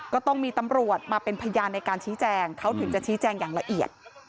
ก็ต้องมีตำรวจมาเป็นพยานในการชี้แจงเขาถึงจะชี้แจงอย่างละเอียด